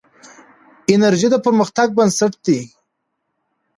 انرژي د پرمختګ بنسټ دی.